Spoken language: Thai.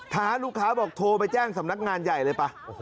ท้าลูกค้าบอกโทรไปแจ้งสำนักงานใหญ่เลยป่ะ